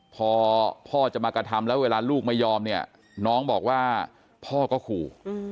พอพ่อจะมากระทำแล้วเวลาลูกไม่ยอมเนี่ยน้องบอกว่าพ่อก็ขู่